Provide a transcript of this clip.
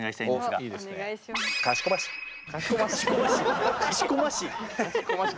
かしこまし？